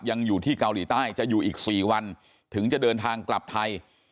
ยังอยู่ที่เกาหลีใต้จะอยู่อีก๔วันถึงจะเดินทางกลับไทย